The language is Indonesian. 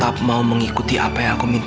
anda mereka ifman totaku dalam tiga puluh menit